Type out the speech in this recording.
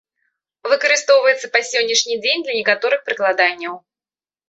Выкарыстоўваецца па сённяшні дзень для некаторых прыкладанняў.